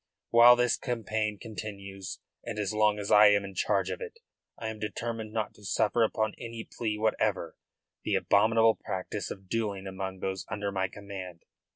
While this campaign continues, and as long as I am in charge of it, I am determined not to suffer upon any plea whatever the abominable practice of duelling among those under my command.